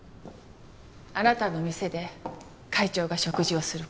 あなたの店で会長が食事をする事。